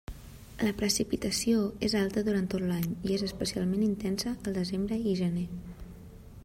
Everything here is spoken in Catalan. La precipitació és alta durant tot l'any, i és especialment intensa al desembre i gener.